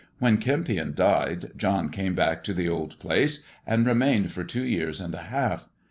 When Kempion died John came back to the old place, and remained for two years and a half.